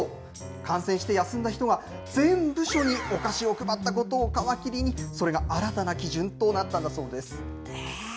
感染して休んだ人が全部署にお菓子を配ったことを皮切りに、それが新たな基準となったんだそうです。